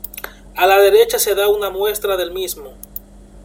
A la derecha se da una muestra del mismo.